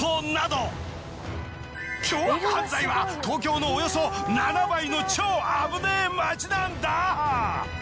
凶悪犯罪は東京のおよそ７倍の超あぶねえ街なんだ。